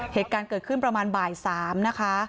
เหตุการณ์เกิดขึ้นประมาณบ่าย๓นะคะ